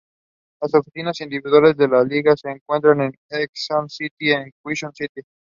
The video is plastered with animated graphics throughout the video.